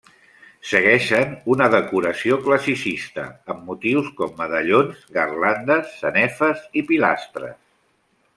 Segueixen una decoració classicista amb motius com medallons, garlandes, sanefes i pilastres.